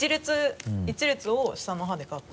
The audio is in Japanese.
１列を下の歯でガッて。